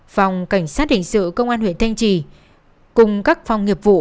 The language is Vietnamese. phòng cảnh sát hình sự công an huyện thanh trì cùng các phòng nghiệp vụ